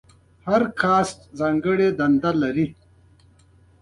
هر کاسټ ځانګړې دنده لرله.